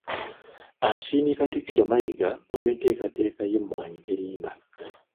Asiimye Katikkiro Mayiga olw’enteekateeka y’Emmwanyi Terimba.